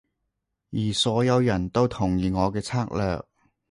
而所有人都同意我嘅策略